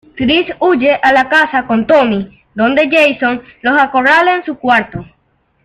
Trish huye a la casa con Tommy, donde Jason los acorrala en su cuarto.